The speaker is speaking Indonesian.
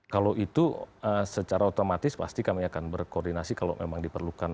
kalau itu secara otomatis pasti kami akan berkoordinasi kalau memang diperlukan